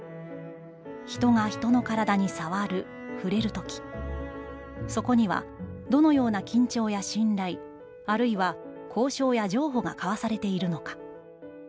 人が人の体にさわる／ふれる時、そこにはどのような緊張や信頼、あるいは交渉や譲歩がかわされているのか。